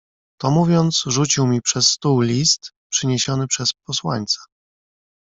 "To mówiąc, rzucił mi przez stół list, przyniesiony przez posłańca."